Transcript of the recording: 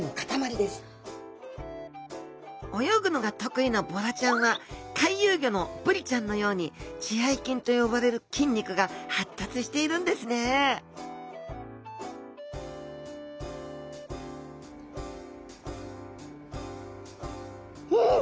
泳ぐのが得意なボラちゃんは回遊魚のブリちゃんのように血合筋と呼ばれる筋肉が発達しているんですねん！